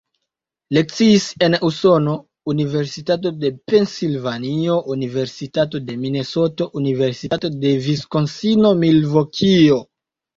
Lekciis en Usono: Universitato de Pensilvanio, Universitato de Minesoto, Universitato de Viskonsino-Milvokio.